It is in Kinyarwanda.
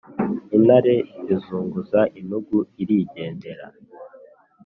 intare izunguza intugu irigendera.